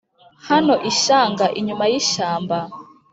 Hano ishyanga inyuma y'ishyamba